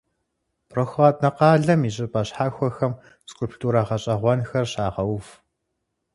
Прохладнэ къалэм и щӀыпӀэ щхьэхуэхэм скульптурэ гъэщӀэгъуэнхэр щагъэув.